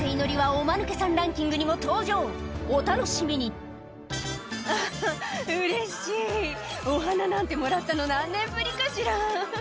お楽しみに「フフっうれしいお花なんてもらったの何年ぶりかしら」